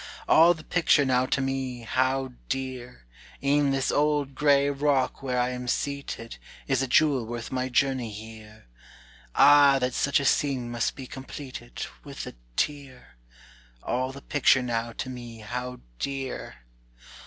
"All the picture now to me how dear! E'en this old gray rock where I am seated, Is a jewel worth my journey here; Ah that such a scene must be completed With a tear! All the picture now to me how dear!